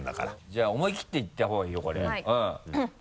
じゃあ思い切っていった方がいいよこれ。